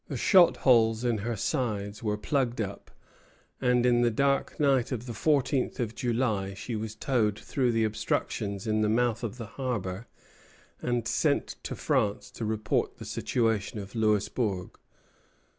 The shot holes in her sides were plugged up, and in the dark night of the fourteenth of July she was towed through the obstructions in the mouth of the harbor, and sent to France to report the situation of Louisbourg.